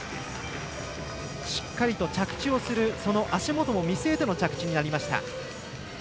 しっかりと着地をする足元も見据えての着地になりました。